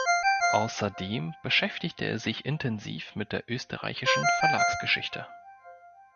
Außerdem beschäftigte er sich intensiv mit der österreichischen Verlagsgeschichte.